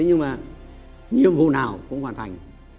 nhưng nhiệm vụ nào cũng hoàn thành